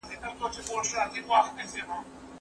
باسواده سړی د دښمن په اړه هم د عدل خبره کوي.